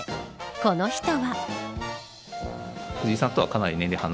この人は。